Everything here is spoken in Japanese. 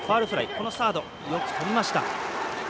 このサード、よくとりました。